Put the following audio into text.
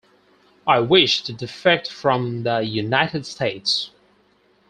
I wish to defect from the United States.